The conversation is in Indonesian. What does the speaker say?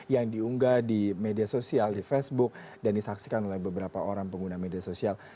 yang diunggah di media sosial di facebook dan disaksikan oleh beberapa orang pengguna media sosial